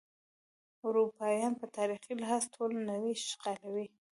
اروپایان په تاریخي لحاظ ټوله نړۍ اشغالوي.